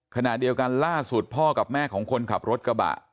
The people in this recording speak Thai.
ขณะเดียวกันล่าสุดพ่อกับแม่ของคนขับรถกระบะ